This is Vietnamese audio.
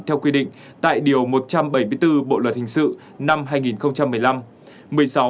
theo quy định tại điều một trăm bảy mươi bốn bộ luật hình sự năm hai nghìn một mươi năm